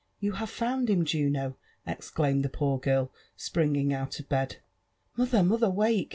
You have found him, June!" exdaimed (he poor girl» springing out df bed. Mother ! mother! wake